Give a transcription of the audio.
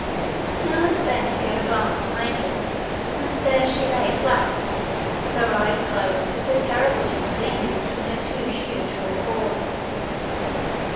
Now and then he gave a glance behind him, and there she lay flat, with her eyes closed and her terrible teeth gleaming between her two huge forepaws.